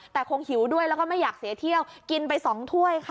แต่คงหิวด้วยแล้วก็ไม่อยากเสียเที่ยวกินไป๒ถ้วยค่ะ